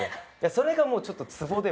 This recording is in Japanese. それがもうちょっとツボで